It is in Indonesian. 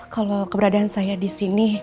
kalo keberadaan saya disini